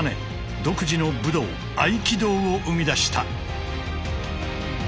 独自の武道「合気道」を生み出した。